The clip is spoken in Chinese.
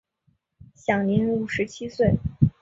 享年五十七岁。